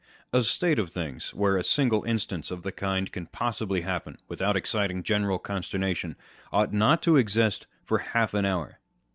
A state of things, where a single instance of the kind can possibly happen without exciting general consternation, ought not to exist for half an hour.